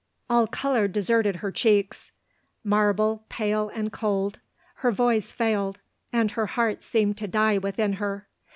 All colour deserted her cheeks ; marble pale and cold, her voice failed, and her heart seemed to die within her.